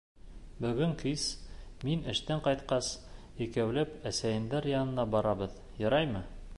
— Бөгөн кис, мин эштән ҡайтҡас, икәүләп әсәйеңдәр янына барырбыҙ, яраймы?